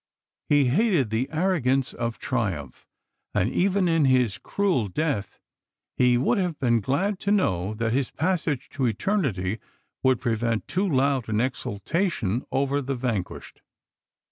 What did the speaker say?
He hated the arrogance of triumph ; and even in his cruel death he would have been glad to know that his passage to eternity would prevent too loud an exultation over the vanquished.